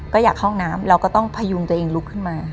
ก็อยากเข้าห้องน้ำเราก็ต้องพยุงตัวเองลุกขึ้นมา